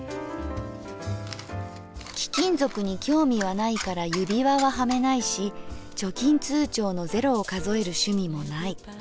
「貴金属に興味はないから指輪ははめないし貯金通帳の０を数える趣味もない。